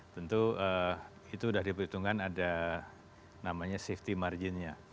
tentu itu sudah diperhitungkan ada namanya safety marginnya